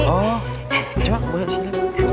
oh coba aku bawa disini